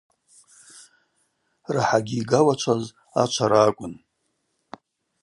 Рахӏагьи йгауачваз ачвара акӏвын.